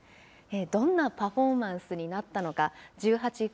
どんなパフォーマンスになったのか、１８祭。